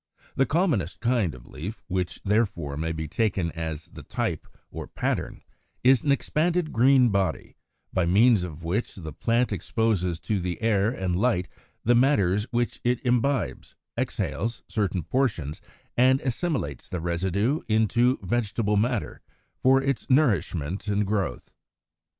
The commonest kind of leaf, which therefore may be taken as the type or pattern, is an expanded green body, by means of which the plant exposes to the air and light the matters which it imbibes, exhales certain portions, and assimilates the residue into vegetable matter for its nourishment and growth.